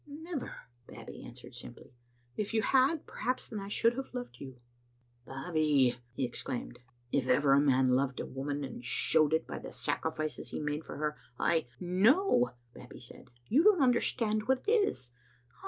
"Never," Babbie answered simply. "If you had, perhaps then I should have loved you." " Babbie," he exclaimed, "if ever man loved woman, and showed it by the sacrifices he made for her, I "" No," Babbie said, "you don't understand what it is.